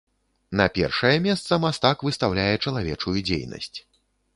На першае месца мастак выстаўляе чалавечую дзейнасць.